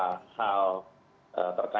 yang kita ingin menjelaskan